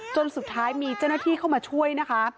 จนสุดท้ายมีเจ้าหน้าที่เข้ามาช่วยนะคะ